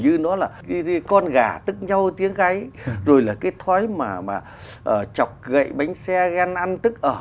như nó là cái con gà tức nhau tiếng gáy rồi là cái thói mà mà chọc gậy bánh xe ghen ăn tức ở